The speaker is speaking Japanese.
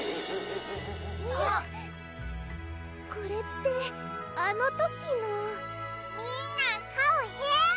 これってあの時のみんなかおへん！